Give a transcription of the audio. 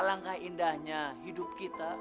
alangkah indahnya hidup kita